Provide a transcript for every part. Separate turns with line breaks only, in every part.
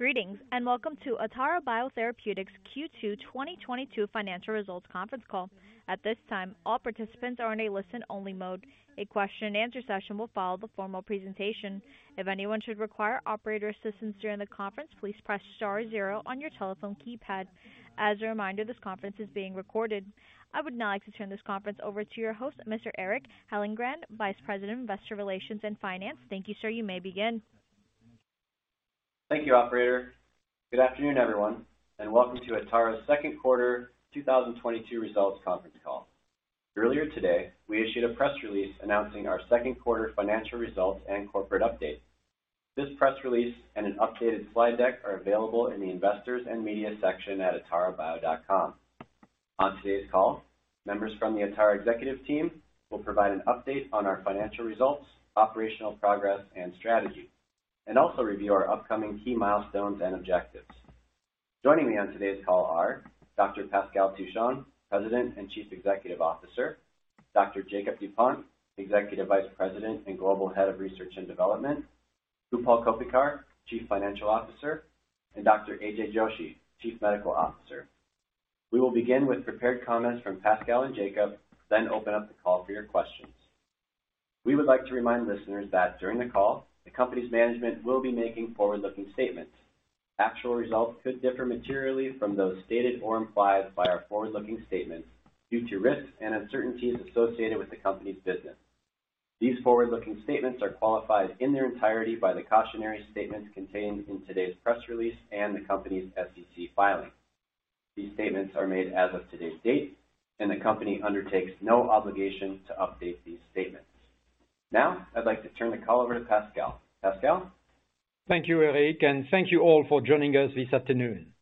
Greetings, and welcome to Atara Biotherapeutics Q2 2022 Financial Results Conference Call. At this time, all participants are in a listen-only mode. A question-and-answer session will follow the formal presentation. If anyone should require operator assistance during the conference, please press star zero on your telephone keypad. As a reminder, this conference is being recorded. I would now like to turn this conference over to your host, Mr. Eric Hyllengren, Vice President of Investor Relations and Finance. Thank you, sir. You may begin.
Thank you, operator. Good afternoon, everyone, and welcome to Atara's second quarter 2022 results conference call. Earlier today, we issued a press release announcing our second quarter financial results and corporate update. This press release and an updated slide deck are available in the Investors and Media section at atarabio.com. On today's call, members from the Atara executive team will provide an update on our financial results, operational progress, and strategy, and also review our upcoming key milestones and objectives. Joining me on today's call are Dr. Pascal Touchon, President and Chief Executive Officer, Dr. Jakob Dupont, Executive Vice President and Global Head of Research and Development, Utpal Koppikar, Chief Financial Officer, and Dr. Manher Joshi, Chief Medical Officer. We will begin with prepared comments from Pascal and Jakob, then open up the call for your questions. We would like to remind listeners that during the call, the company's management will be making forward-looking statements. Actual results could differ materially from those stated or implied by our forward-looking statements due to risks and uncertainties associated with the company's business. These forward-looking statements are qualified in their entirety by the cautionary statements contained in today's press release and the company's SEC filing. These statements are made as of today's date, and the company undertakes no obligation to update these statements. Now, I'd like to turn the call over to Pascal. Pascal?
Thank you, Eric, and thank you all for joining us this afternoon.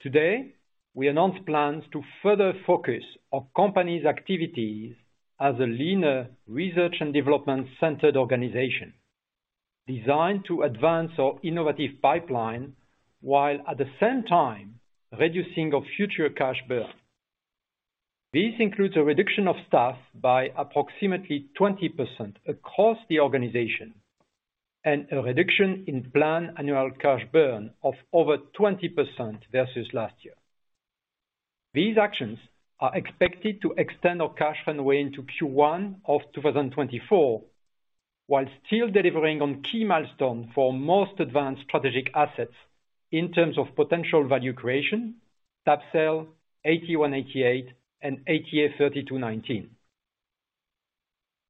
Today, we announce plans to further focus our company's activities as a leaner research and development-centered organization designed to advance our innovative pipeline while at the same time reducing our future cash burn. This includes a reduction of staff by approximately 20% across the organization and a reduction in planned annual cash burn of over 20% versus last year. These actions are expected to extend our cash runway into Q1 of 2024, while still delivering on key milestones for most advanced strategic assets in terms of potential value creation, tab-cel, ATA188, and ATA3219.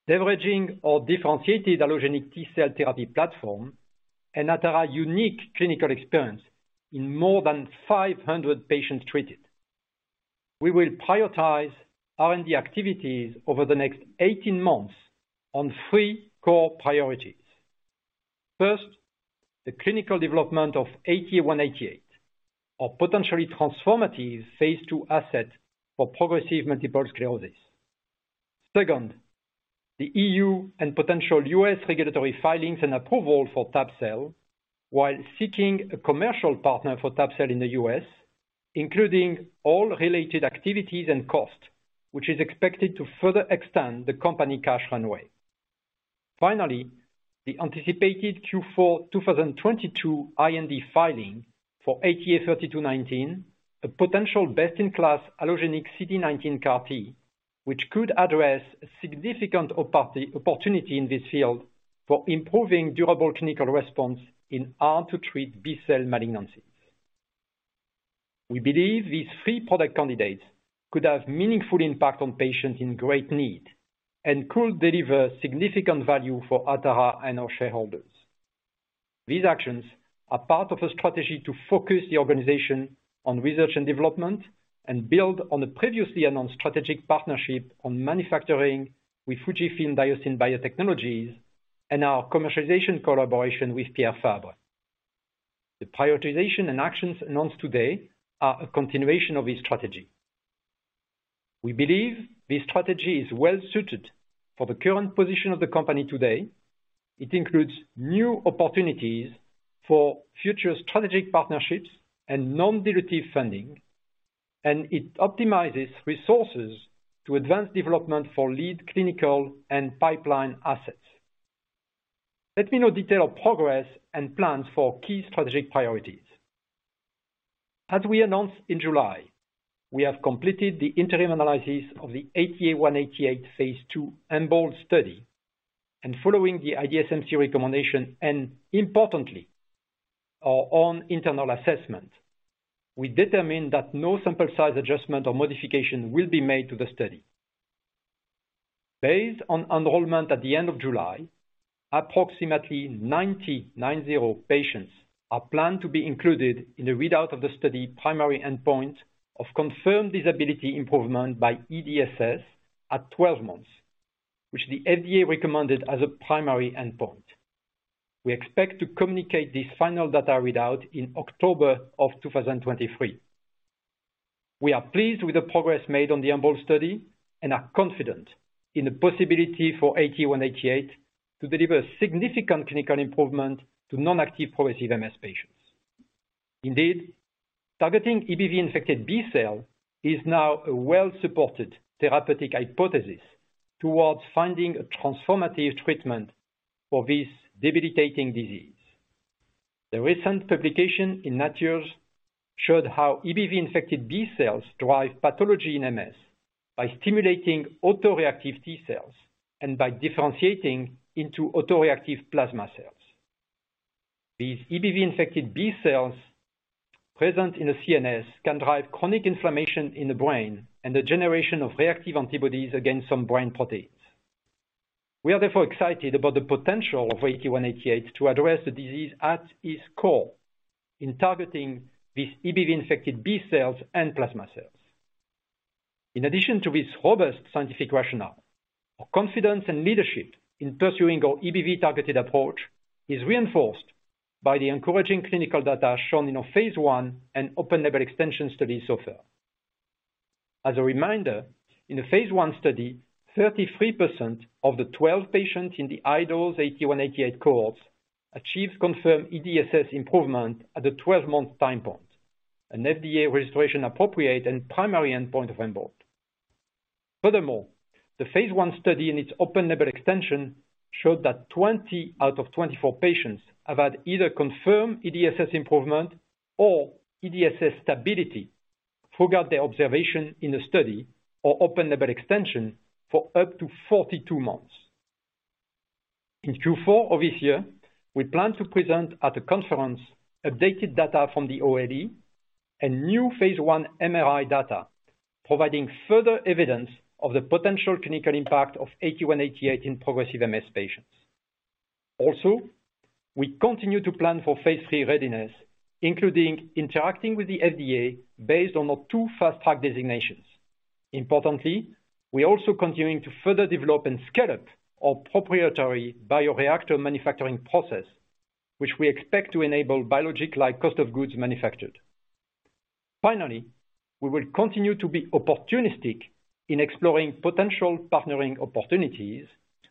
Leveraging our differentiated allogeneic T-cell therapy platform and Atara's unique clinical experience in more than 500 patients treated. We will prioritize R&D activities over the next 18 months on three core priorities. First, the clinical development of ATA188, a potentially transformative phase II asset for progressive multiple sclerosis. Second, the EU and potential U.S. regulatory filings and approval for tab-cel, while seeking a commercial partner for tab-cel in the U.S., including all related activities and costs, which is expected to further extend the company cash runway. Finally, the anticipated Q4 2022 IND filing for ATA3219, a potential best-in-class allogeneic CD19 CAR T, which could address a significant opportunity in this field for improving durable clinical response in hard-to-treat B-cell malignancies. We believe these three product candidates could have meaningful impact on patients in great need and could deliver significant value for Atara and our shareholders. These actions are part of a strategy to focus the organization on research and development and build on a previously announced strategic partnership on manufacturing with FUJIFILM Diosynth Biotechnologies and our commercialization collaboration with Pierre Fabre. The prioritization and actions announced today are a continuation of this strategy. We believe this strategy is well suited for the current position of the company today. It includes new opportunities for future strategic partnerships and non-dilutive funding, and it optimizes resources to advance development for lead clinical and pipeline assets. Let me now detail our progress and plans for key strategic priorities. As we announced in July, we have completed the interim analysis of the ATA188 phase II EMBOLD study and following the IDMC recommendation, and importantly, our own internal assessment, we determined that no sample size adjustment or modification will be made to the study. Based on enrollment at the end of July, approximately 99 patients are planned to be included in the readout of the study primary endpoint of confirmed disability improvement by EDSS at 12 months, which the FDA recommended as a primary endpoint. We expect to communicate this final data readout in October of 2023. We are pleased with the progress made on the EMBOLD study and are confident in the possibility for ATA188 to deliver significant clinical improvement to non-active progressive MS patients. Indeed, targeting EBV-infected B-cell is now a well-supported therapeutic hypothesis towards finding a transformative treatment for this debilitating disease. The recent publication in Nature showed how EBV-infected B-cells drive pathology in MS by stimulating autoreactive T-cells and by differentiating into autoreactive plasma cells. These EBV-infected B-cells present in the CNS can drive chronic inflammation in the brain and the generation of reactive antibodies against some brain proteins. We are therefore excited about the potential of ATA188 to address the disease at its core in targeting these EBV-infected B-cells and plasma cells. In addition to this robust scientific rationale, our confidence and leadership in pursuing our EBV-targeted approach is reinforced by the encouraging clinical data shown in our phase I and open-label extension study so far. As a reminder, in the phase I study, 33% of the 12 patients in the EBV ATA188 cohorts achieved confirmed EDSS improvement at the 12-month time point, an FDA registrational and primary endpoint of EMBOLD. Furthermore, the phase I study in its open-label extension showed that 20 out of 24 patients have had either confirmed EDSS improvement or EDSS stability throughout their observation in the study or open-label extension for up to 42 months. In Q4 of this year, we plan to present at a conference updated data from the OLE and new phase I MRI data, providing further evidence of the potential clinical impact of ATA188 in progressive MS patients. Also, we continue to plan for phase three readiness, including interacting with the FDA based on our two Fast Track designations. Importantly, we're also continuing to further develop and scale up our proprietary bioreactor manufacturing process, which we expect to enable biologic-like cost of goods manufactured. Finally, we will continue to be opportunistic in exploring potential partnering opportunities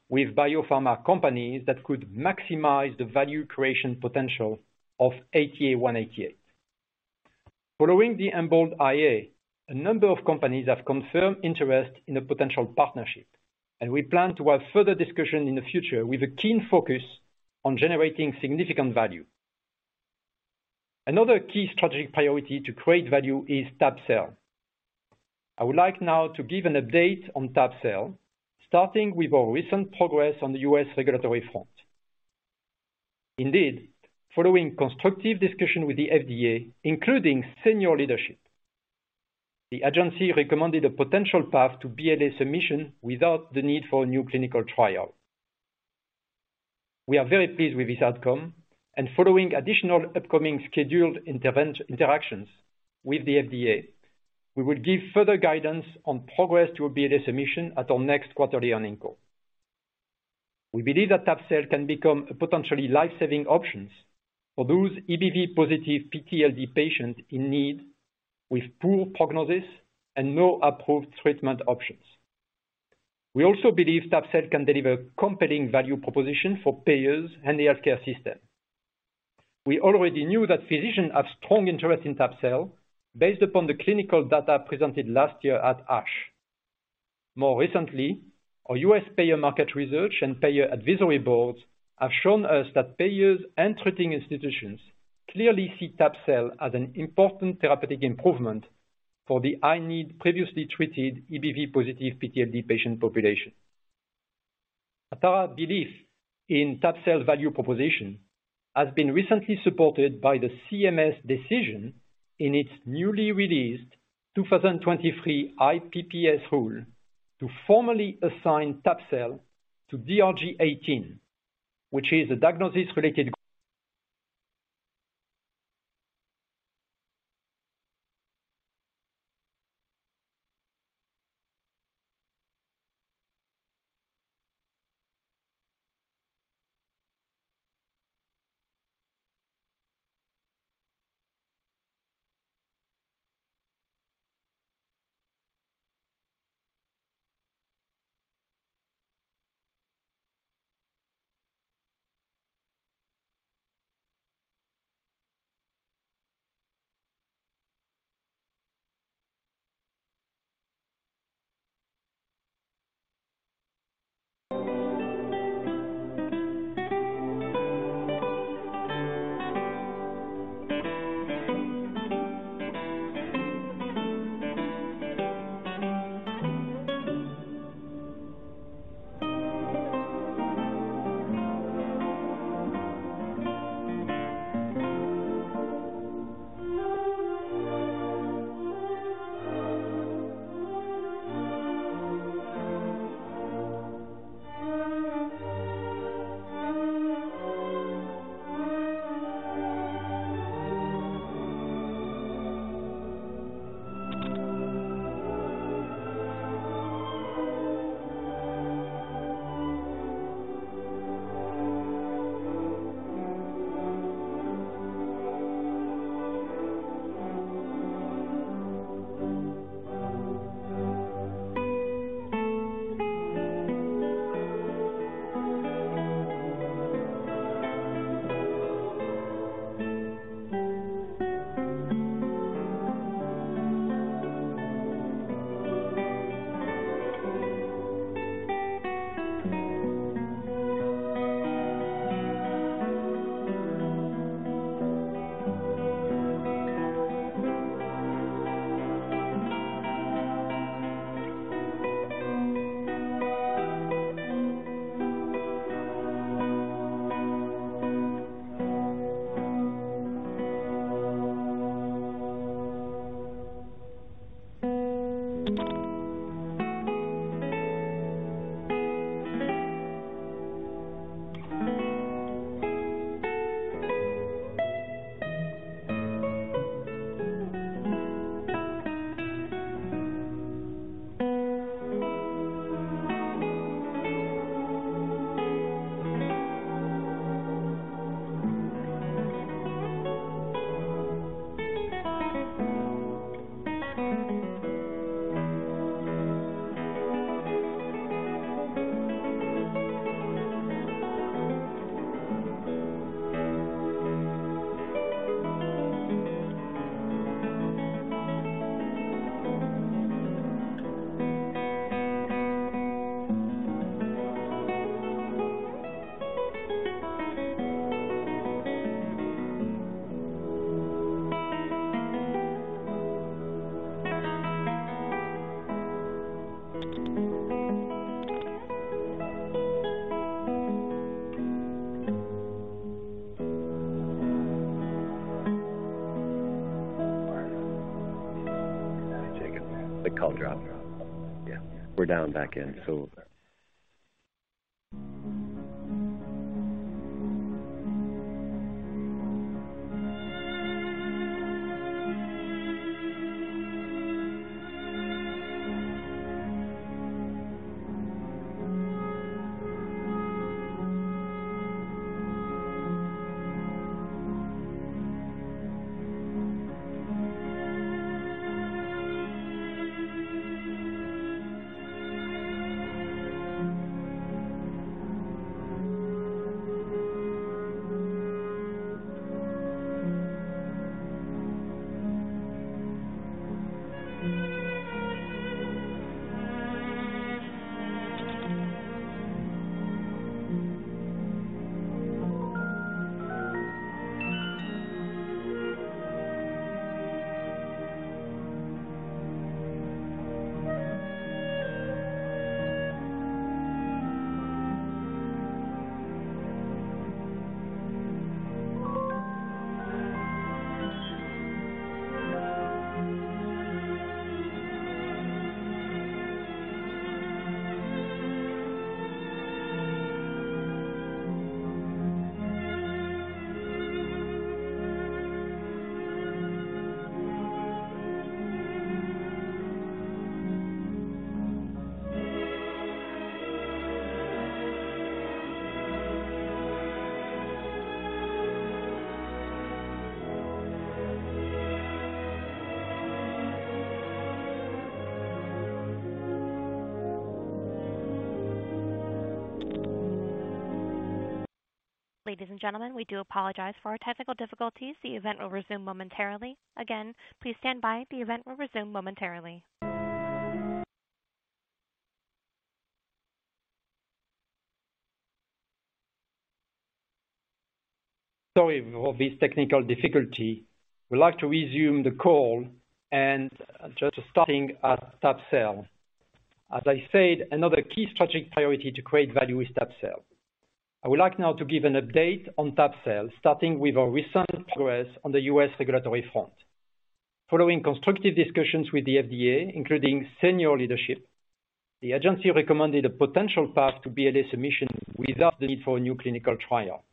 with biopharma companies that could maximize the value creation potential of ATA188. Following the EMBOLD IA, a number of companies have confirmed interest in a potential partnership, and we plan to have further discussion in the future with a keen focus on generating significant value. Another key strategic priority to create value is tab-cel. I would like now to give an update on tab-cel, starting with our recent progress on the U.S. regulatory front. Indeed, following constructive discussion with the FDA, including senior leadership, the agency recommended a potential path to BLA submission without the need for a new clinical trial. We are very pleased with this outcome, and following additional upcoming scheduled interactions with the FDA, we will give further guidance on progress to a BLA submission at our next quarterly earnings call. We believe that tab-cel can become a potentially life-saving options for those EBV-positive PTLD patients in need with poor prognosis and no approved treatment options. We also believe tab-cel can deliver compelling value proposition for payers and the healthcare system. We already knew that physicians have strong interest in tab-cel based upon the clinical data presented last year at ASH. More recently, our U.S. payer market research and payer advisory boards have shown us that payers and treating institutions clearly see tab-cel as an important therapeutic improvement for the high-need previously treated EBV positive PTLD patient population. Atara belief in tab-cel's value proposition has been recently supported by the CMS decision in its newly released 2023 IPPS rule to formally assign tab-cel to DRG 18, which is a diagnosis-related.
The call dropped. Yeah, we're back in.
Ladies and gentlemen, we do apologize for our technical difficulties. The event will resume momentarily. Again, please stand by. The event will resume momentarily.
Sorry for this technical difficulty. We'd like to resume the call and just starting at tab-cel. As I said, another key strategic priority to create value is tab-cel. I would like now to give an update on tab-cel, starting with our recent progress on the U.S. regulatory front. Following constructive discussions with the FDA, including senior leadership, the agency recommended a potential path to BLA submission without the need for a new clinical trial.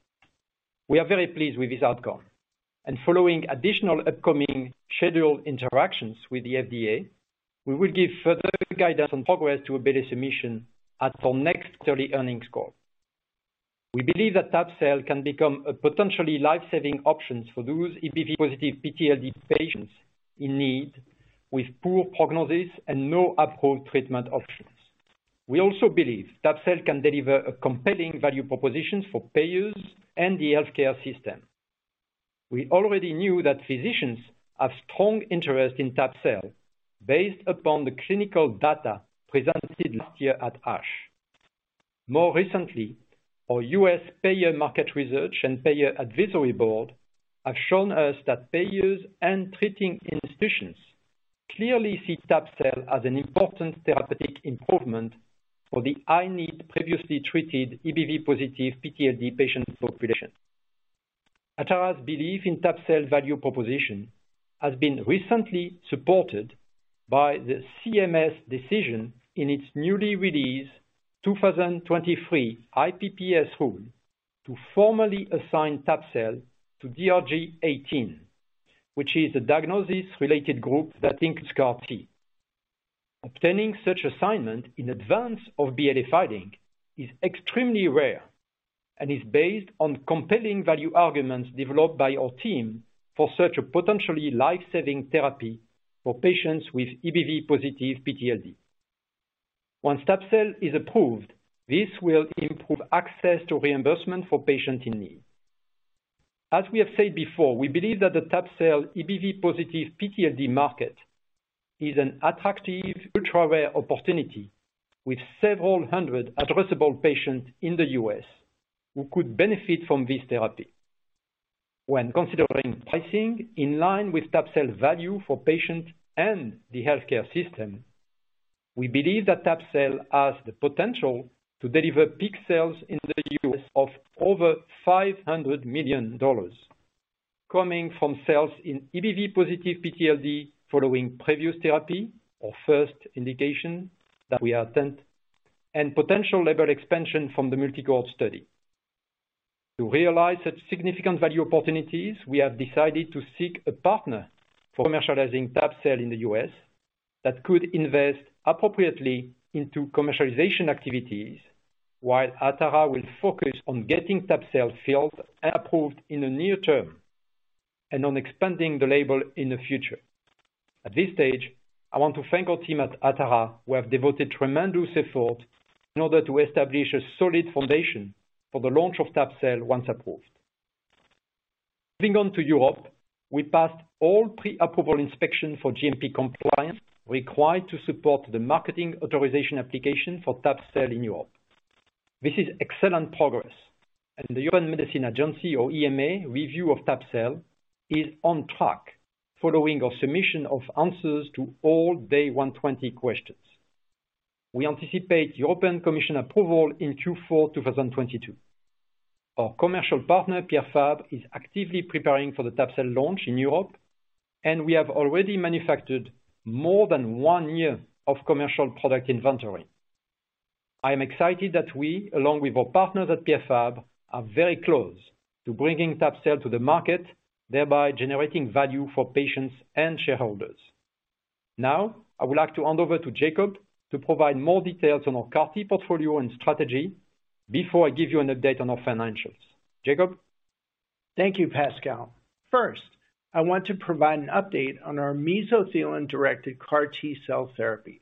We are very pleased with this outcome. Following additional upcoming scheduled interactions with the FDA, we will give further guidance on progress to a BLA submission at our next quarterly earnings call. We believe that tab-cel can become a potentially life-saving option for those EBV positive PTLD patients in need with poor prognosis and no approved treatment options. We also believe tab-cel can deliver a compelling value proposition for payers and the healthcare system. We already knew that physicians have strong interest in tab-cel based upon the clinical data presented last year at ASH. More recently, our U.S. payer market research and payer advisory board have shown us that payers and treating institutions clearly see tab-cel as an important therapeutic improvement for the high-need, previously treated EBV-positive PTLD patient population. Atara's belief in tab-cel value proposition has been recently supported by the CMS decision in its newly released 2023 IPPS rule to formally assign tab-cel to DRG 18, which is a diagnosis-related group that includes CAR T. Obtaining such assignment in advance of BLA filing is extremely rare and is based on compelling value arguments developed by our team for such a potentially life-saving therapy for patients with EBV-positive PTLD. Once tab-cel is approved, this will improve access to reimbursement for patients in need. As we have said before, we believe that the tab-cel EBV positive PTLD market is an attractive ultra-rare opportunity with several hundred addressable patients in the U.S. who could benefit from this therapy. When considering pricing in line with tab-cel's value for patients and the healthcare system, we believe that tab-cel has the potential to deliver peak sales in the U.S. of over $500 million coming from sales in EBV positive PTLD following previous therapy or first indication that we have done, and potential label expansion from the multi-cohort study. To realize such significant value opportunities, we have decided to seek a partner for commercializing tab-cel in the U.S. that could invest appropriately into commercialization activities, while Atara will focus on getting tab-cel filed and approved in the near term and on expanding the label in the future. At this stage, I want to thank our team at Atara who have devoted tremendous effort in order to establish a solid foundation for the launch of tab-cel once approved. Moving on to Europe, we passed all pre-approval inspection for GMP compliance required to support the marketing authorization application for tab-cel in Europe. This is excellent progress and the European Medicines Agency or EMA review of tab-cel is on track following our submission of answers to all day 120 questions. We anticipate European Commission approval in Q4 2022. Our commercial partner, Pierre Fabre, is actively preparing for the tab-cel launch in Europe, and we have already manufactured more than one year of commercial product inventory. I am excited that we, along with our partners at Pierre Fabre, are very close to bringing tab-cel to the market, thereby generating value for patients and shareholders. Now, I would like to hand over to Jakob to provide more details on our CAR T portfolio and strategy before I give you an update on our financials. Jakob?
Thank you, Pascal. First, I want to provide an update on our mesothelin-directed CAR T-cell therapies.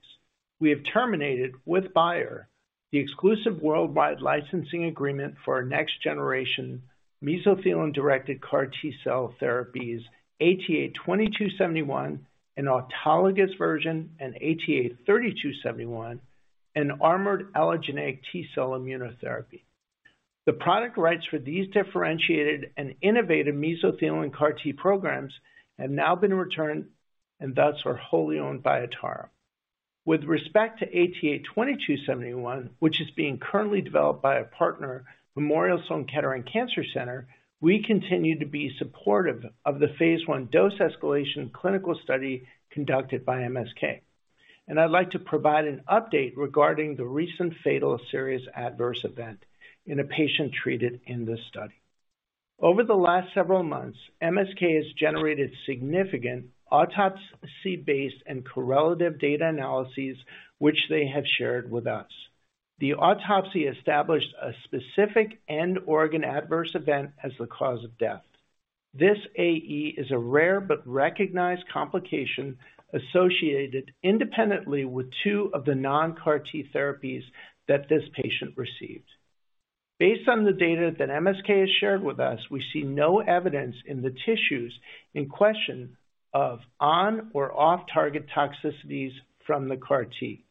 We have terminated with Bayer the exclusive worldwide licensing agreement for our next generation mesothelin-directed CAR T-cell therapies, ATA2271, an autologous version, and ATA3271, an armored allogeneic T-cell immunotherapy. The product rights for these differentiated and innovative mesothelin CAR T programs have now been returned and thus are wholly owned by Atara. With respect to ATA2271, which is being currently developed by our partner, Memorial Sloan Kettering Cancer Center, we continue to be supportive of the phase I dose escalation clinical study conducted by MSK. I'd like to provide an update regarding the recent fatal serious adverse event in a patient treated in this study. Over the last several months, MSK has generated significant autopsy-based and correlative data analyses which they have shared with us. The autopsy established a specific end organ adverse event as the cause of death. This AE is a rare but recognized complication associated independently with two of the non-CAR T therapies that this patient received. Based on the data that MSK has shared with us, we see no evidence in the tissues in question of on or off-target toxicities from the CAR T.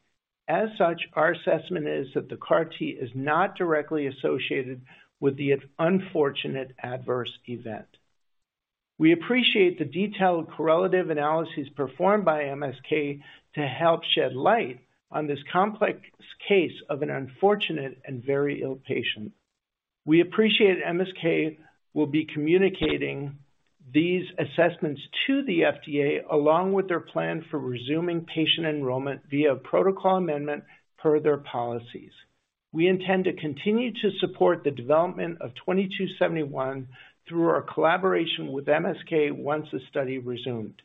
As such, our assessment is that the CAR T is not directly associated with the unfortunate adverse event. We appreciate the detailed correlative analyses performed by MSK to help shed light on this complex case of an unfortunate and very ill patient. We appreciate MSK will be communicating these assessments to the FDA along with their plan for resuming patient enrollment via protocol amendment per their policies. We intend to continue to support the development of 2271 through our collaboration with MSK once the study resumed.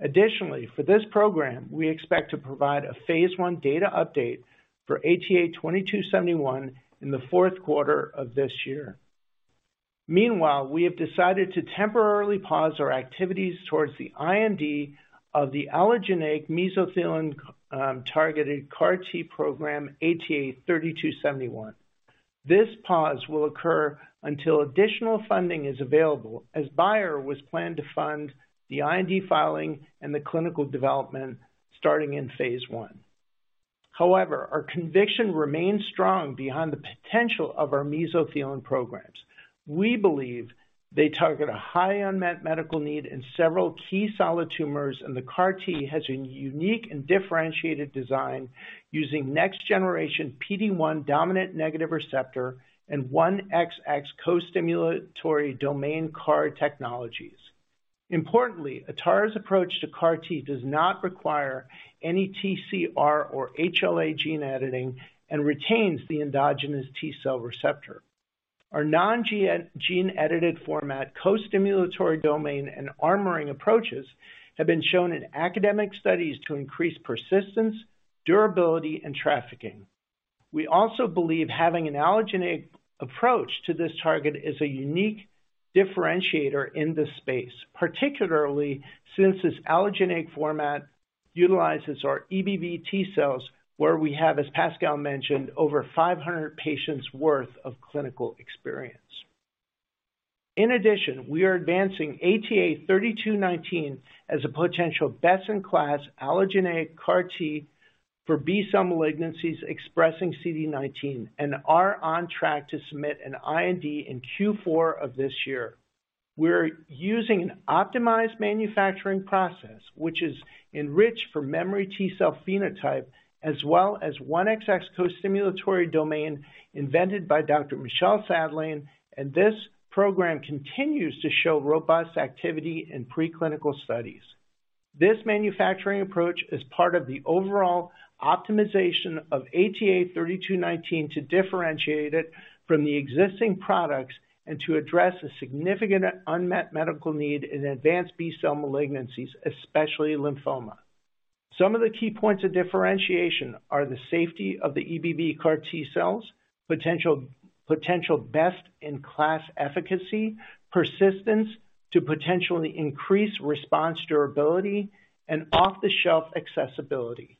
Additionally, for this program, we expect to provide a phase I data update for ATA2271 in the fourth quarter of this year. Meanwhile, we have decided to temporarily pause our activities towards the IND of the allogeneic mesothelin targeted CAR T program, ATA3271. This pause will occur until additional funding is available, as Bayer was planned to fund the IND filing and the clinical development starting in phase I. However, our conviction remains strong behind the potential of our mesothelin programs. We believe they target a high unmet medical need in several key solid tumors, and the CAR T has a unique and differentiated design using next generation PD-1 dominant negative receptor and 1XX co-stimulatory domain CAR technologies. Importantly, Atara's approach to CAR T does not require any TCR or HLA gene editing and retains the endogenous T-cell receptor. Our non-gene-edited format, co-stimulatory domain, and armoring approaches have been shown in academic studies to increase persistence, durability, and trafficking. We also believe having an allogeneic approach to this target is a unique differentiator in this space, particularly since this allogeneic format utilizes our EBV T-cells, where we have, as Pascal mentioned, over 500 patients worth of clinical experience. In addition, we are advancing ATA3219 as a potential best in class allogeneic CAR T for B-cell malignancies expressing CD19, and are on track to submit an IND in Q4 of this year. We're using an optimized manufacturing process, which is enriched for memory T-cell phenotype as well as 1XX co-stimulatory domain invented by Dr. Michel Sadelain. This program continues to show robust activity in preclinical studies. This manufacturing approach is part of the overall optimization of ATA3219 to differentiate it from the existing products and to address a significant unmet medical need in advanced B-cell malignancies, especially lymphoma. Some of the key points of differentiation are the safety of the EBV CAR T-cells, potential best in class efficacy, persistence to potentially increase response durability, and off-the-shelf accessibility.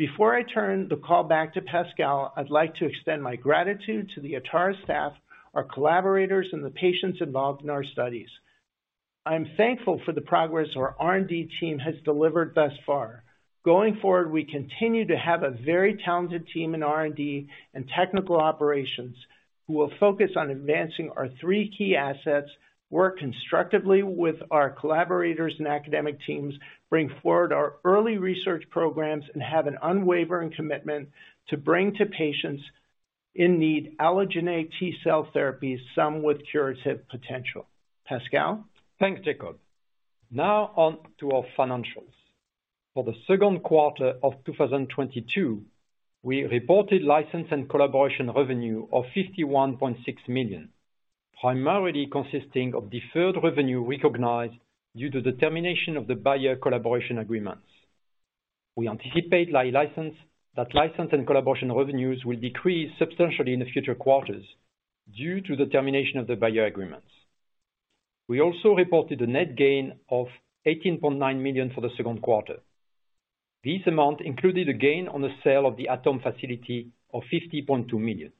Before I turn the call back to Pascal, I'd like to extend my gratitude to the Atara staff, our collaborators, and the patients involved in our studies. I'm thankful for the progress our R&D team has delivered thus far. Going forward, we continue to have a very talented team in R&D and technical operations who will focus on advancing our three key assets, work constructively with our collaborators and academic teams, bring forward our early research programs, and have an unwavering commitment to bring to patients in need allogeneic T-cell therapies, some with curative potential. Pascal?
Thanks, Jakob. Now on to our financials. For the second quarter of 2022, we reported license and collaboration revenue of $51.6 million, primarily consisting of deferred revenue recognized due to the termination of the Bayer collaboration agreements. We anticipate that license and collaboration revenues will decrease substantially in the future quarters due to the termination of the Bayer agreements. We also reported a net gain of $18.9 million for the second quarter. This amount included a gain on the sale of the ATOM facility of $50.2 million.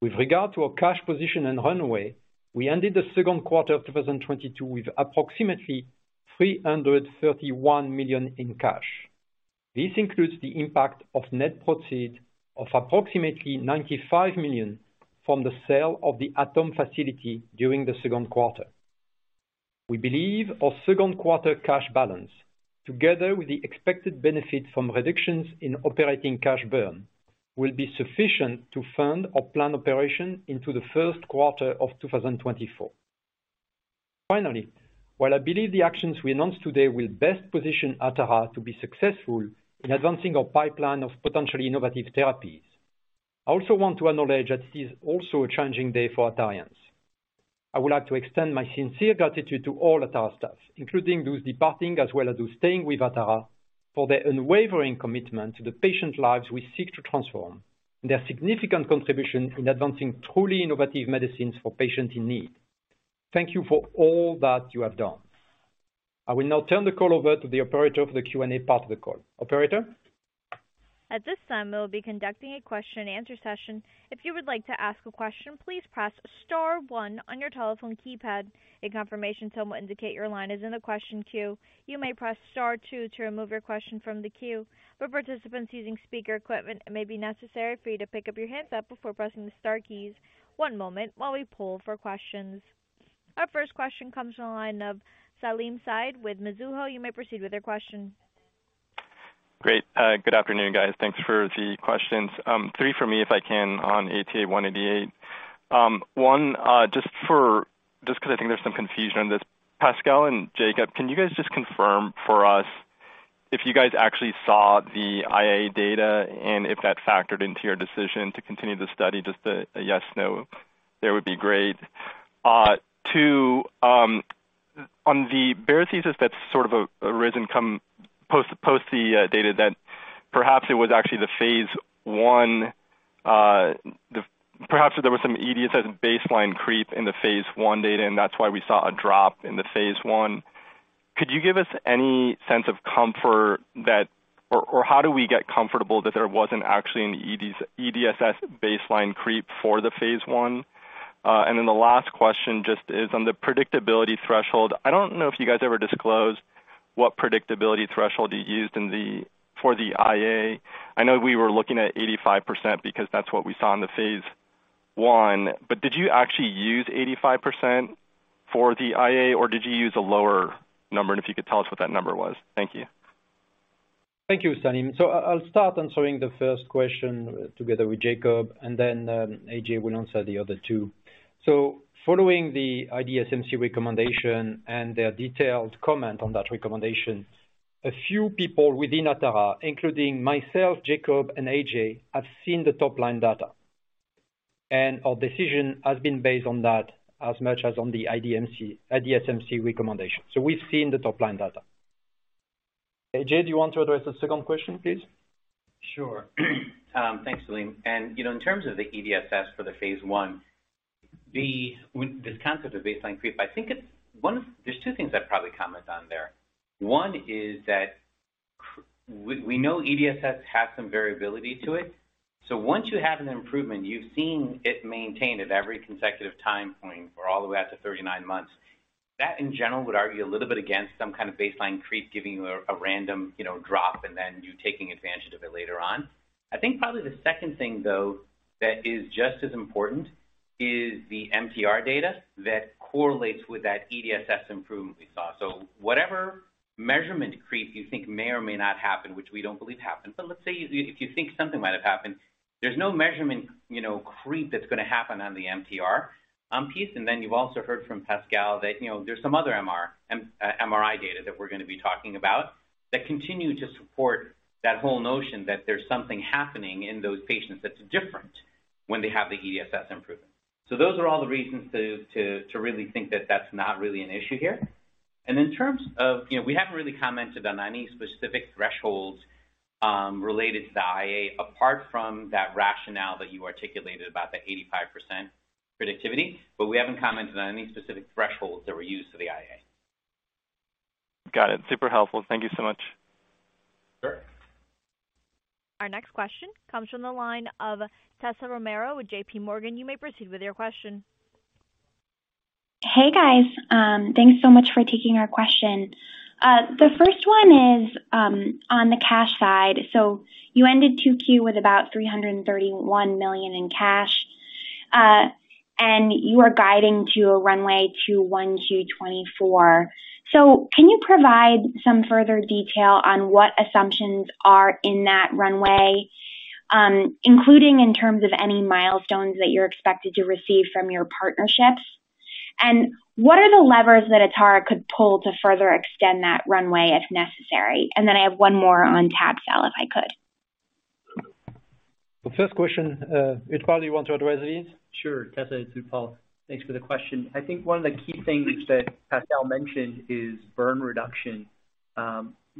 With regard to our cash position and runway, we ended the second quarter of 2022 with approximately $331 million in cash. This includes the impact of net proceeds of approximately $95 million from the sale of the ATOM facility during the second quarter. We believe our second quarter cash balance, together with the expected benefit from reductions in operating cash burn, will be sufficient to fund our planned operation into the first quarter of 2024. Finally, while I believe the actions we announced today will best position Atara to be successful in advancing our pipeline of potentially innovative therapies, I also want to acknowledge that it is also a challenging day for Atarians. I would like to extend my sincere gratitude to all Atara staff, including those departing as well as those staying with Atara for their unwavering commitment to the patient lives we seek to transform, and their significant contribution in advancing truly innovative medicines for patients in need. Thank you for all that you have done. I will now turn the call over to the operator for the Q&A part of the call. Operator?
At this time, we will be conducting a question and answer session. If you would like to ask a question, please press star one on your telephone keypad. A confirmation tone will indicate your line is in the question queue. You may press star two to remove your question from the queue. For participants using speaker equipment, it may be necessary for you to pick up your handset before pressing the star keys. One moment while we poll for questions. Our first question comes from the line of Salim Syed with Mizuho. You may proceed with your question.
Great. Good afternoon, guys. Thanks for the questions. Three for me, if I can, on ATA188. One, just for, just 'cause I think there's some confusion on this. Pascal and Jakob, can you guys just confirm for us if you guys actually saw the IA data and if that factored into your decision to continue the study? Just a yes, no, that would be great. Two, on the thesis that's sort of arisen from post the data that perhaps it was actually the phase I. Perhaps there was some EDSS baseline creep in the phase I data, and that's why we saw a drop in the phase I. Could you give us any sense of comfort that... How do we get comfortable that there wasn't actually an EDSS baseline creep for the phase I? The last question just is on the predictability threshold. I don't know if you guys ever disclosed what predictability threshold you used in the for the IA. I know we were looking at 85% because that's what we saw in the phase I. Did you actually use 85% for the IA, or did you use a lower number? If you could tell us what that number was. Thank you.
Thank you, Salim. I'll start answering the first question together with Jakob, and then, AJ will answer the other two. Following the IDMC recommendation and their detailed comment on that recommendation, a few people within Atara, including myself, Jakob and AJ, have seen the top-line data. Our decision has been based on that as much as on the IDMC recommendation. We've seen the top-line data. AJ, do you want to address the second question, please?
Sure. Thanks, Salim. You know, in terms of the EDSS for the phase I with this concept of baseline creep, I think it's one of the things. There are two things I'd probably comment on there. One is that we know EDSS has some variability to it. So once you have an improvement, you've seen it maintained at every consecutive time point for all the way out to 39 months. That, in general, would argue a little bit against some kind of baseline creep giving you a random, you know, drop and then you taking advantage of it later on. I think probably the second thing, though, that is just as important is the MTR data that correlates with that EDSS improvement we saw. So whatever measurement creep you think may or may not happen, which we don't believe happened. Let's say if you think something might have happened, there's no measurement, you know, creep that's gonna happen on the MTR piece. Then you've also heard from Pascal that, you know, there's some other MRI data that we're gonna be talking about that continue to support that whole notion that there's something happening in those patients that's different when they have the EDSS improvement. Those are all the reasons to really think that that's not really an issue here. In terms of you know, we haven't really commented on any specific thresholds related to the IA apart from that rationale that you articulated about the 85% productivity, but we haven't commented on any specific thresholds that were used for the IA.
Got it. Super helpful. Thank you so much.
Sure.
Our next question comes from the line of Tessa Romero with JPMorgan. You may proceed with your question.
Hey, guys. Thanks so much for taking our question. The first one is on the cash side. You ended 2Q with about $331 million in cash. You are guiding to a runway to 1Q 2024. Can you provide some further detail on what assumptions are in that runway, including in terms of any milestones that you're expected to receive from your partnerships? What are the levers that Atara could pull to further extend that runway if necessary? I have one more on tab-cel if I could.
The first question, Utpal, you want to address it?
Sure. Tessa, it's Utpal. Thanks for the question. I think one of the key things that Pascal mentioned is burn reduction.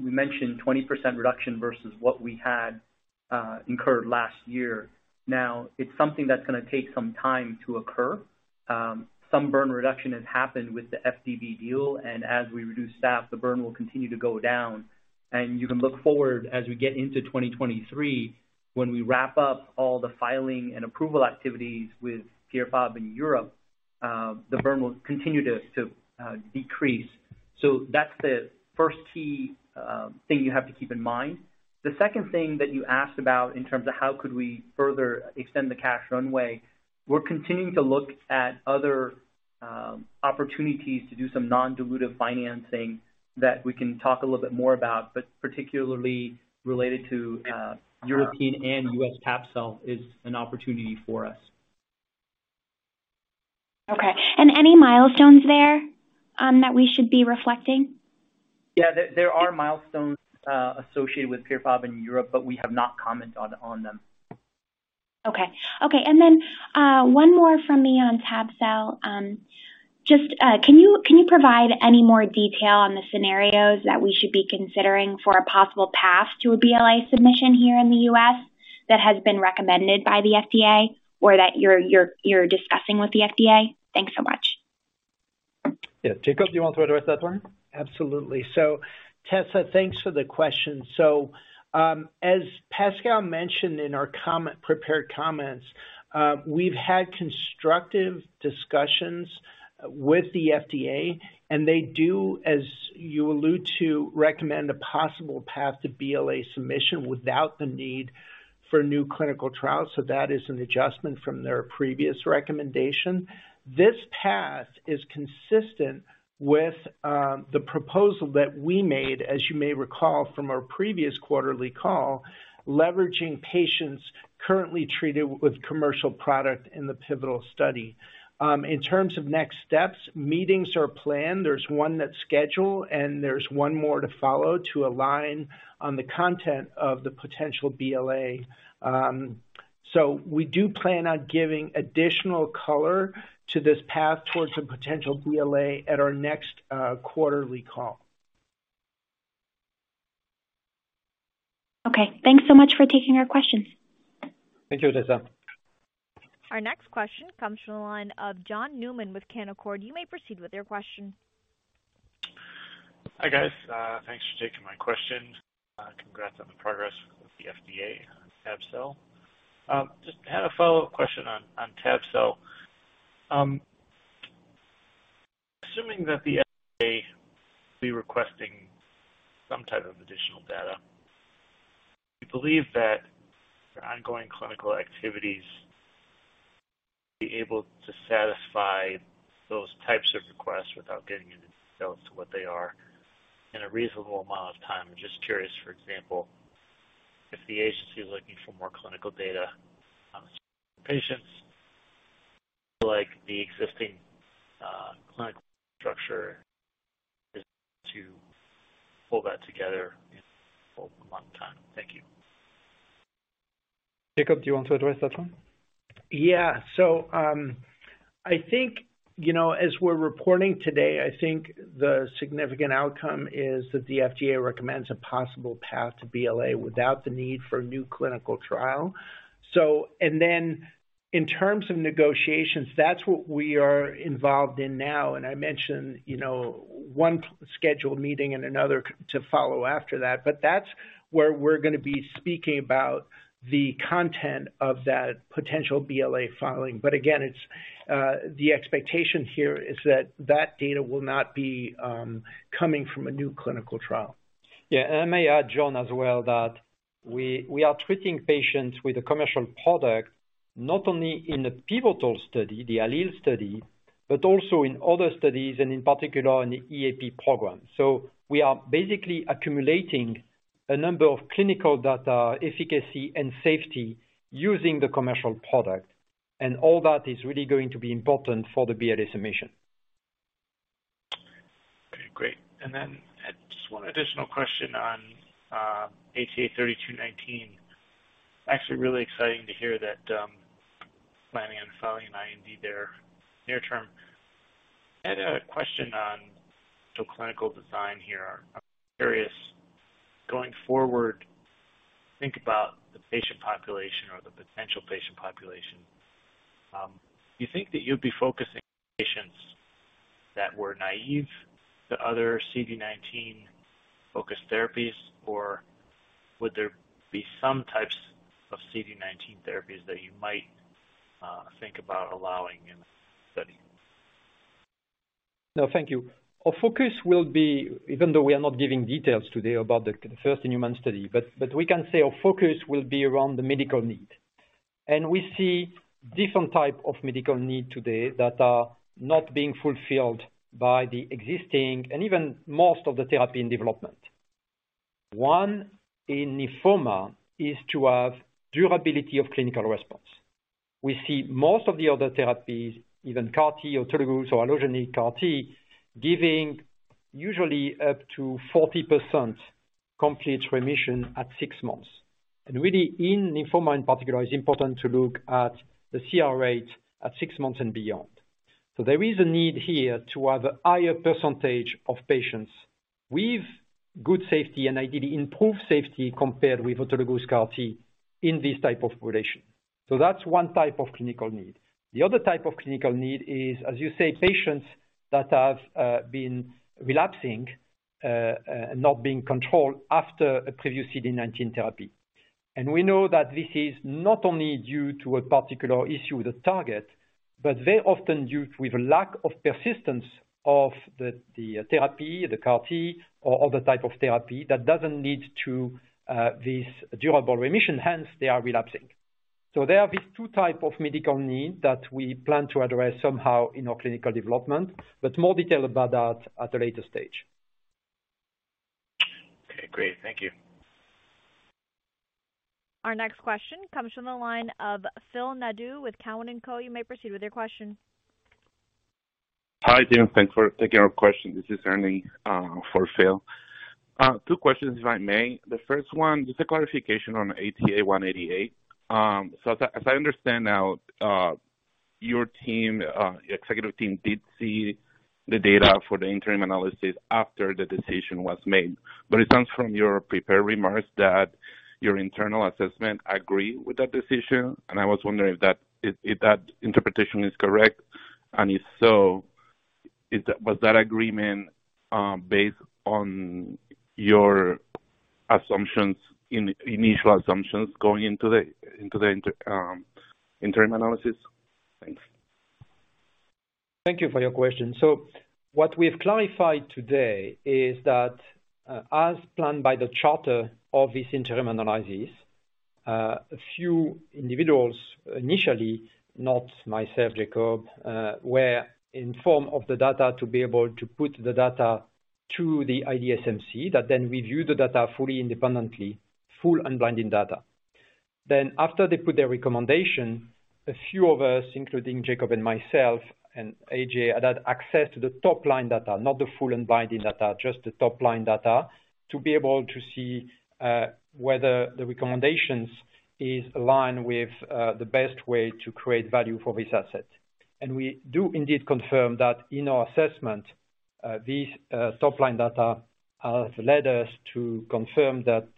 We mentioned 20% reduction versus what we had incurred last year. Now, it's something that's gonna take some time to occur. Some burn reduction has happened with the FDB deal, and as we reduce staff, the burn will continue to go down. You can look forward as we get into 2023, when we wrap up all the filing and approval activities with Pierre Fabre in Europe, the burn will continue to decrease. That's the first key thing you have to keep in mind. The second thing that you asked about in terms of how could we further extend the cash runway, we're continuing to look at other, opportunities to do some non-dilutive financing that we can talk a little bit more about, but particularly related to, European and U.S. tab-cel is an opportunity for us.
Okay. Any milestones there, that we should be reflecting?
Yeah. There are milestones associated with Pierre Fabre in Europe, but we have not commented on them.
Okay, one more from me on tab-cel. Just, can you provide any more detail on the scenarios that we should be considering for a possible path to a BLA submission here in the U.S. that has been recommended by the FDA or that you're discussing with the FDA? Thanks so much.
Yeah. Jakob, do you want to address that one?
Absolutely. Tessa, thanks for the question. As Pascal mentioned in our prepared comments, we've had constructive discussions with the FDA, and they do, as you allude to, recommend a possible path to BLA submission without the need for new clinical trials. That is an adjustment from their previous recommendation. This path is consistent with the proposal that we made, as you may recall from our previous quarterly call, leveraging patients currently treated with commercial product in the pivotal study. In terms of next steps, meetings are planned. There's one that's scheduled, and there's one more to follow to align on the content of the potential BLA. We do plan on giving additional color to this path towards a potential BLA at our next quarterly call.
Okay. Thanks so much for taking our questions.
Thank you, Tessa.
Our next question comes from the line of John Newman with Canaccord. You may proceed with your question.
Hi, guys. Thanks for taking my question. Congrats on the progress with the FDA on tab-cel. Just had a follow-up question on tab-cel. Assuming that the FDA will be requesting some type of additional data, do you believe that your ongoing clinical activities be able to satisfy those types of requests without getting into the details to what they are in a reasonable amount of time? I'm just curious, for example, if the agency is looking for more clinical data on patients, like the existing clinical structure is to pull that together in a full amount of time. Thank you.
Jakob, do you want to address that one?
Yeah. I think, you know, as we're reporting today, I think the significant outcome is that the FDA recommends a possible path to BLA without the need for a new clinical trial. In terms of negotiations, that's what we are involved in now. I mentioned, you know, one scheduled meeting and another to follow after that. That's where we're going to be speaking about the content of that potential BLA filing. Again, it's the expectation here is that that data will not be coming from a new clinical trial.
Yeah. I may add, John, as well, that we are treating patients with a commercial product not only in the pivotal study, the ALLELE study, but also in other studies, and in particular in the EAP program. We are basically accumulating a number of clinical data, efficacy and safety, using the commercial product. All that is really going to be important for the BLA submission.
Okay, great. Just one additional question on ATA3219. Actually, really exciting to hear that, planning on filing an IND there near term. I had a question on the clinical design here. I'm curious, going forward, think about the patient population or the potential patient population. Do you think that you'd be focusing patients that were naive to other CD19 focused therapies, or would there be some types of CD19 therapies that you might think about allowing in study?
No, thank you. Our focus will be, even though we are not giving details today about the first human study, but we can say our focus will be around the medical need. We see different type of medical need today that are not being fulfilled by the existing and even most of the therapy in development. One in lymphoma is to have durability of clinical response. We see most of the other therapies, even CAR T or autologous CAR T or allogeneic CAR T, giving usually up to 40% complete remission at six months. Really in lymphoma in particular, it's important to look at the CR rate at six months and beyond. There is a need here to have a higher percentage of patients with good safety and ideally improved safety compared with autologous CAR T in this type of population. That's one type of clinical need. The other type of clinical need is, as you say, patients that have been relapsing, not being controlled after a previous CD19 therapy. We know that this is not only due to a particular issue with the target, but very often due to the lack of persistence of the therapy, the CAR T or other type of therapy that doesn't lead to this durable remission, hence they are relapsing. There are these two type of medical needs that we plan to address somehow in our clinical development, but more detail about that at a later stage.
Okay, great. Thank you.
Our next question comes from the line of Phil Nadeau with Cowen and Company. You may proceed with your question.
Hi, team. Thanks for taking our question. This is Ernie for Phil. Two questions, if I may. The first one, just a clarification on ATA188. So as I understand now, your team, executive team did see the data for the interim analysis after the decision was made. It sounds from your prepared remarks that your internal assessment agree with that decision. I was wondering if that interpretation is correct. If so, is that agreement based on your assumptions, initial assumptions going into the interim analysis? Thanks.
Thank you for your question. What we've clarified today is that, as planned by the charter of this interim analysis, a few individuals, initially, not myself, Jakob, were informed of the data to be able to put the data to the IDMC, that then review the data fully, independently, full unblinding data. After they put their recommendation, a few of us, including Jakob and myself and AJ, had access to the top-line data, not the full unblinding data, just the top-line data, to be able to see, whether the recommendations is aligned with, the best way to create value for this asset. We do indeed confirm that in our assessment, these top-line data have led us to confirm that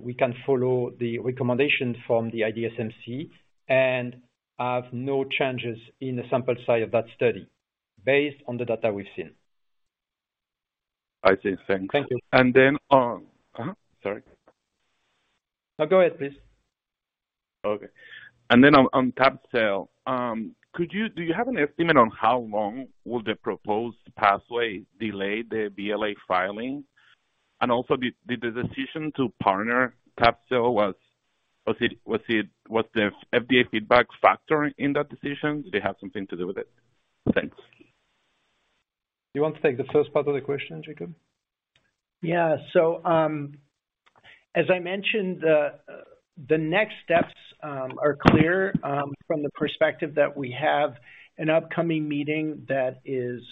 we can follow the recommendation from the IDMC and have no changes in the sample size of that study based on the data we've seen.
I see. Thank you.
Thank you.
Sorry.
No, go ahead, please.
Okay. On tab-cel. Could you do you have an estimate on how long will the proposed pathway delay the BLA filing? Also, the decision to partner tab-cel was it the FDA feedback factor in that decision? Did they have something to do with it? Thanks.
You want to take the first part of the question, Jakob?
As I mentioned, the next steps are clear from the perspective that we have an upcoming meeting that is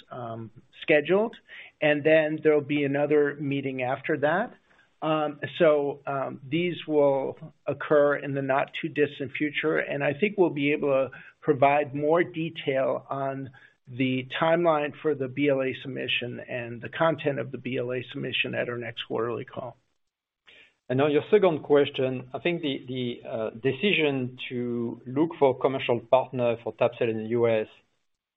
scheduled, and then there'll be another meeting after that. These will occur in the not too distant future, and I think we'll be able to provide more detail on the timeline for the BLA submission and the content of the BLA submission at our next quarterly call.
On your second question, I think the decision to look for commercial partner for tab-cel in the U.S.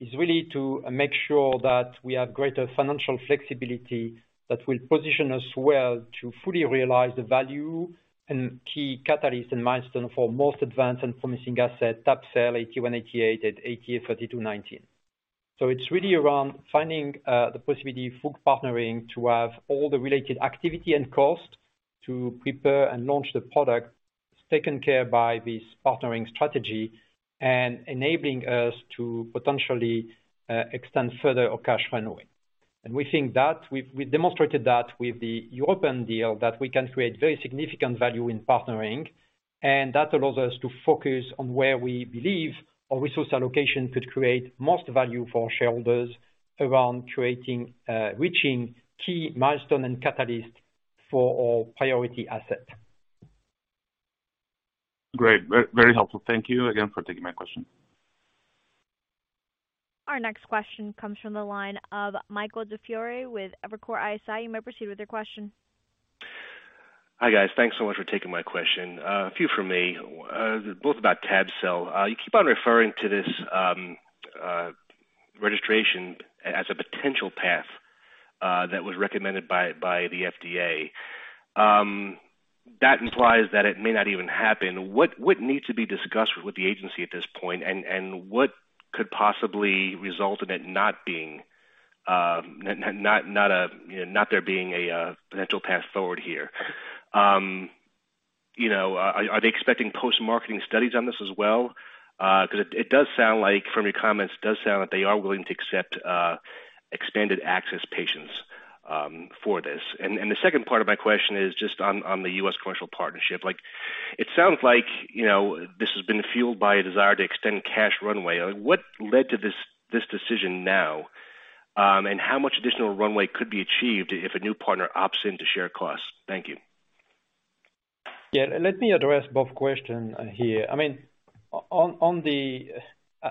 is really to make sure that we have greater financial flexibility that will position us well to fully realize the value and key catalyst and milestone for most advanced and promising asset tab-cel ATA188 and ATA3219. It's really around finding the possibility for partnering to have all the related activity and cost to prepare and launch the product taken care by this partnering strategy and enabling us to potentially extend further our cash runway. We think that we've demonstrated that with the European deal, that we can create very significant value in partnering, and that allows us to focus on where we believe our resource allocation could create most value for shareholders around creating reaching key milestone and catalyst for our priority asset.
Great. Very helpful. Thank you again for taking my question.
Our next question comes from the line of Michael DiFiore with Evercore ISI. You may proceed with your question.
Hi, guys. Thanks so much for taking my question. A few from me, both about tab-cel. You keep on referring to this registration as a potential path that was recommended by the FDA. That implies that it may not even happen. What needs to be discussed with the agency at this point? And what could possibly result in it not being, you know, not there being a potential path forward here? You know, are they expecting post-marketing studies on this as well? 'Cause it does sound like from your comments, it does sound like they are willing to accept expanded access patients for this. And the second part of my question is just on the U.S. commercial partnership. Like, it sounds like, you know, this has been fueled by a desire to extend cash runway. What led to this decision now, and how much additional runway could be achieved if a new partner opts in to share costs? Thank you.
Yeah. Let me address both question here. I mean,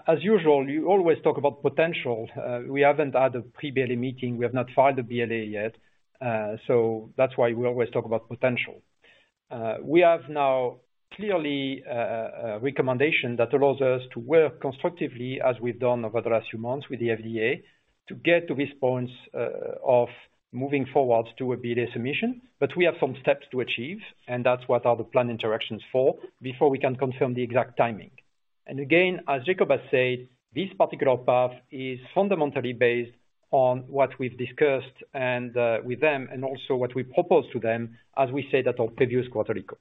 as usual, you always talk about potential. We haven't had a pre-BLA meeting. We have not filed a BLA yet. So that's why we always talk about potential. We have now clearly a recommendation that allows us to work constructively as we've done over the last few months with the FDA to get to this point of moving forward to a BLA submission. But we have some steps to achieve, and that's what are the planned interactions for before we can confirm the exact timing. Again, as Jakob has said, this particular path is fundamentally based on what we've discussed and with them and also what we propose to them, as we said at our previous quarterly call.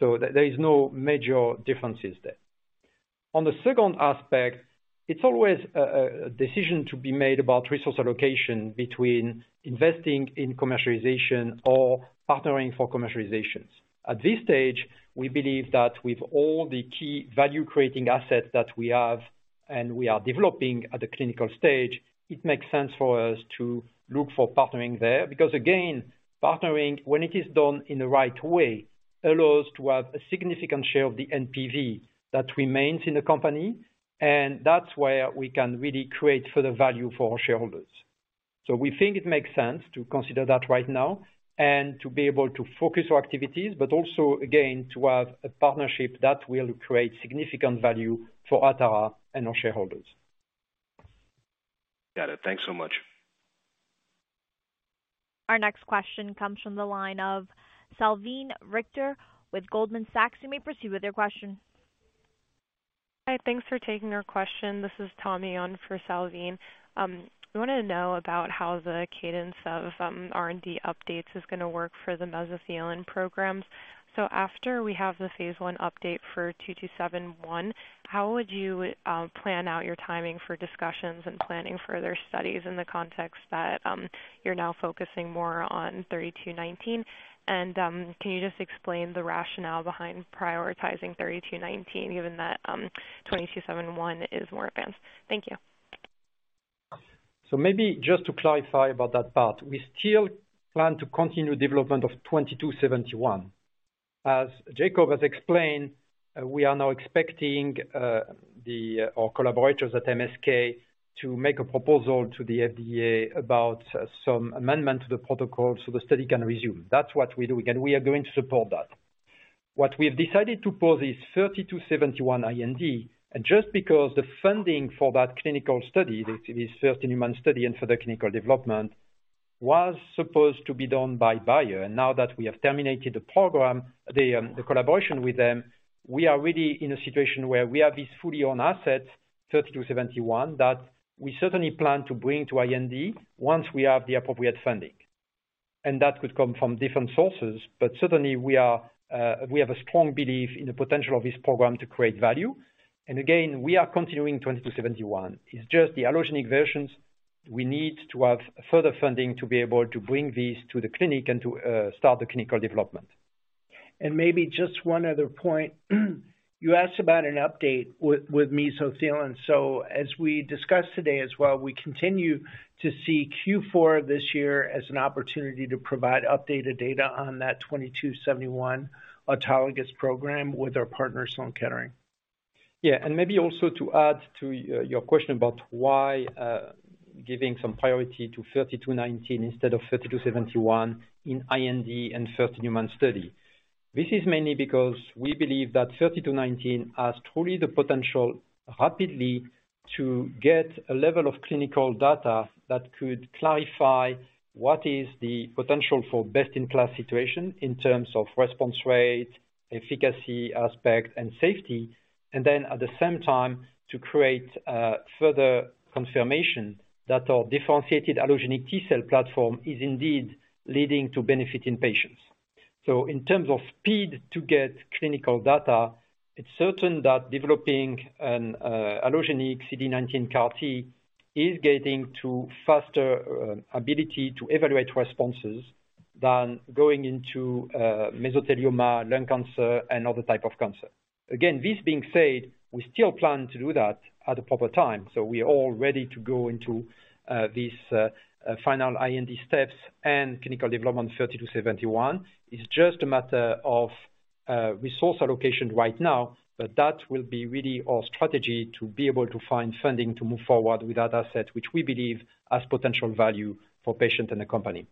There is no major differences there. On the second aspect, it's always a decision to be made about resource allocation between investing in commercialization or partnering for commercializations. At this stage, we believe that with all the key value creating assets that we have and we are developing at the clinical stage, it makes sense for us to look for partnering there. Because again, partnering when it is done in the right way, allows to have a significant share of the NPV that remains in the company. That's where we can really create further value for our shareholders. We think it makes sense to consider that right now and to be able to focus our activities, but also again, to have a partnership that will create significant value for Atara and our shareholders.
Got it. Thanks so much.
Our next question comes from the line of Salveen Richter with Goldman Sachs. You may proceed with your question.
Hi. Thanks for taking our question. This is Tony on for Salveen. I wanted to know about how the cadence of R&D updates is gonna work for the mesothelin programs. After we have the phase I update for ATA2271, how would you plan out your timing for discussions and planning further studies in the context that you're now focusing more on ATA3219? Can you just explain the rationale behind prioritizing 3219, given that 2271 is more advanced? Thank you.
Maybe just to clarify about that part. We still plan to continue development of ATA2271. As Jakob has explained, we are now expecting our collaborators at MSK to make a proposal to the FDA about some amendment to the protocol so the study can resume. That's what we do, and we are going to support that. What we have decided to pause is ATA3271 IND. Just because the funding for that clinical study, this is first in human study and for the clinical development, was supposed to be done by Bayer. Now that we have terminated the program, the collaboration with them, we are really in a situation where we have this fully owned asset, ATA3271, that we certainly plan to bring to IND once we have the appropriate funding. That could come from different sources. Certainly we are, we have a strong belief in the potential of this program to create value. Again, we are continuing ATA2271. It's just the allogeneic versions. We need to have further funding to be able to bring this to the clinic and to start the clinical development.
Maybe just one other point. You asked about an update with mesothelioma. As we discussed today as well, we continue to see Q4 this year as an opportunity to provide updated data on that 2271 autologous program with our partners, Sloan Kettering.
Yeah. Maybe also to add to your question about why giving some priority to ATA3219 instead of ATA3271 in IND and first human study. This is mainly because we believe that ATA3219 has truly the potential rapidly to get a level of clinical data that could clarify what is the potential for best-in-class situation in terms of response rate, efficacy aspect, and safety. And then at the same time to create further confirmation that our differentiated allogeneic T-cell platform is indeed leading to benefiting patients. In terms of speed to get clinical data, it's certain that developing an allogeneic CD19 CAR T is getting to faster ability to evaluate responses than going into mesothelioma, lung cancer and other type of cancer. Again, this being said, we still plan to do that at the proper time. We are all ready to go into this final IND steps and clinical development 3271. It's just a matter of resource allocation right now, but that will be really our strategy to be able to find funding to move forward with that asset, which we believe has potential value for patients in the company.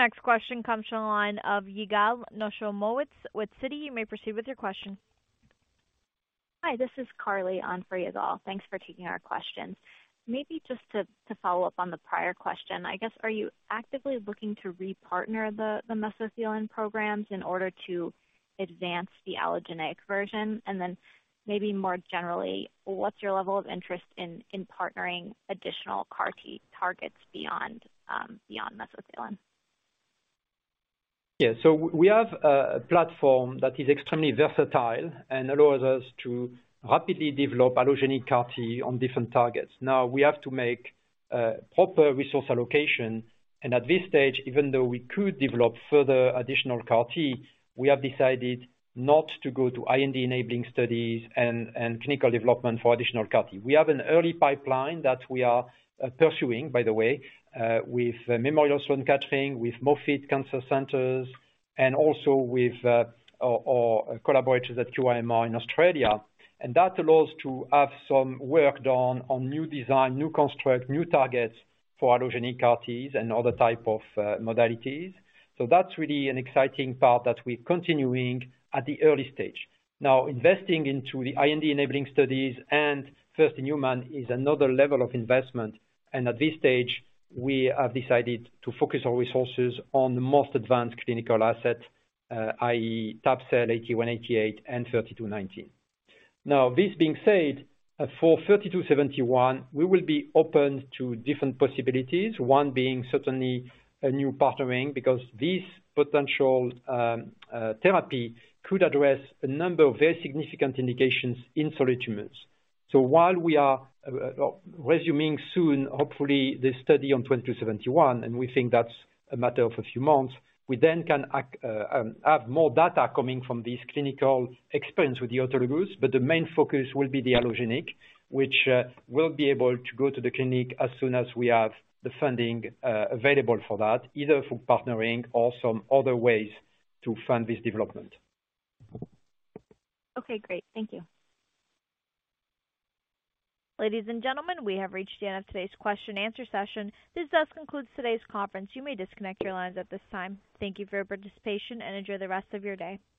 Our next question comes from the line of Yigal Nochomovitz with Citi. You may proceed with your question.
Hi, this is Carly on for Yigal. Thanks for taking our questions. Maybe just to follow up on the prior question. I guess, are you actively looking to re-partner the mesothelioma programs in order to advance the allogeneic version? And then maybe more generally, what's your level of interest in partnering additional CAR T targets beyond mesothelioma?
Yeah. We have a platform that is extremely versatile and allows us to rapidly develop allogeneic CAR T on different targets. Now, we have to make proper resource allocation. At this stage, even though we could develop further additional CAR T, we have decided not to go to IND-enabling studies and clinical development for additional CAR T. We have an early pipeline that we are pursuing, by the way, with Memorial Sloan Kettering, with Moffitt Cancer Center, and also with our collaborators at QIMR in Australia. That allows to have some work done on new design, new construct, new targets for allogeneic CAR Ts and other type of modalities. That's really an exciting part that we're continuing at the early stage. Now, investing into the IND-enabling studies and first in human is another level of investment. At this stage, we have decided to focus our resources on the most advanced clinical asset, i.e. tab-cel ATA188 and ATA3219. Now, this being said, for ATA3271, we will be open to different possibilities, one being certainly a new partnering, because this potential therapy could address a number of very significant indications in solid tumors. While we are resuming soon, hopefully this study on ATA2271, and we think that's a matter of a few months, we then can have more data coming from this clinical experience with the autologous. But the main focus will be the allogeneic, which will be able to go to the clinic as soon as we have the funding available for that, either through partnering or some other ways to fund this development.
Okay, great. Thank you.
Ladies and gentlemen, we have reached the end of today's question and answer session. This does conclude today's conference. You may disconnect your lines at this time. Thank you for your participation, and enjoy the rest of your day.